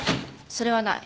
それはない。